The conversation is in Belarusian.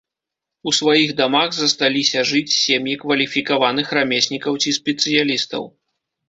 У сваіх дамах засталіся жыць сем'і кваліфікаваных рамеснікаў ці спецыялістаў.